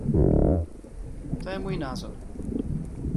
To je můj názor.